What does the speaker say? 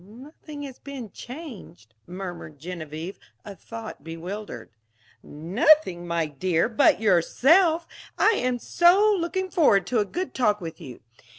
"Nothing has been changed," murmured Genevieve, a thought bewildered. "Nothing, my dear, but yourself! I am so looking forward to a good talk with you.